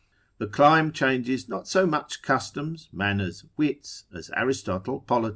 The clime changes not so much customs, manners, wits (as Aristotle Polit.